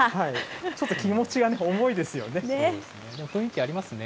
ちょっと気持ちが重いですよね。